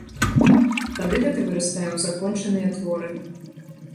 Тады гэта вырастае ў закончаныя творы.